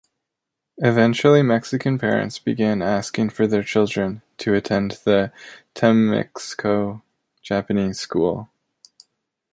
Eventually Mexican parents began asking for their children to attend the Temixco Japanese school.